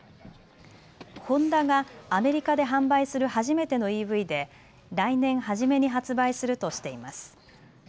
ホンダがアメリカで販売する初めてのＥＶで来年初めに発売するとしています。